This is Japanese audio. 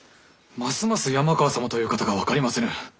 ますます山川様という方が分かりませぬ。